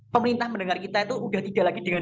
pemerintah mendengar kita itu sudah tidak lagi dengan